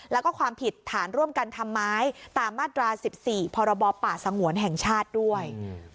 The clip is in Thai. แล้วก็ความผิดฐานร่วมกันทำไมตามมาตรา๑๔พรบป่าสงวนแห่งชาติด้วย